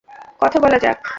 কথা বলা যাক।